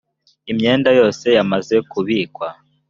imyenda yose yamaze kubikwa